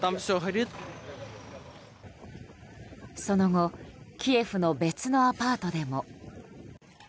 その後キエフの別のアパートでも。